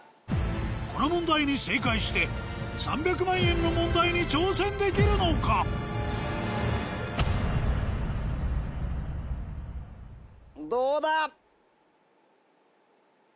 この問題に正解して３００万円の問題に挑戦できるのか⁉どうだ？